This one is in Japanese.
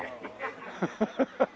ハハハハ。